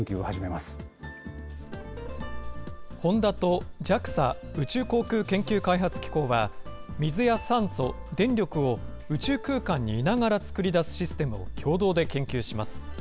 まホンダとＪＡＸＡ・宇宙航空研究開発機構は、水や酸素、電力を宇宙空間にいながら作り出すシステムを共同で研究します。